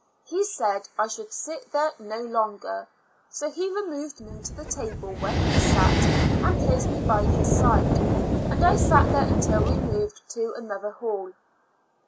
He said I should sit there no longer ; so he removed me to the table where he sat, and placed me by his side, and I sat there until removed to another hall.